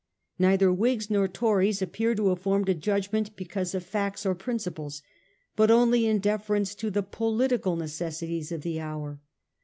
Neither Whigs nor Tories appear to have formed a judgment because of facts or principles, but only in deference to the political necessities of the hour.